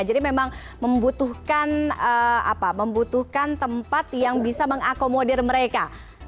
jadi memang membutuhkan tempat yang bisa mengakomodir mereka